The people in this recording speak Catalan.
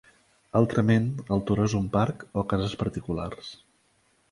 Altrament, el turó és un parc o cases particulars.